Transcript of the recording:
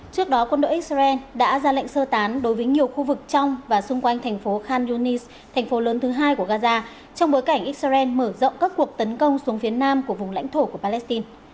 trước đó quân đội israel đã ra lệnh sơ tán đối với nhiều khu vực trong và xung quanh thành phố khan yunis thành phố lớn thứ hai của gaza trong bối cảnh israel mở rộng các cuộc tấn công xuống phía nam của vùng lãnh thổ của palestine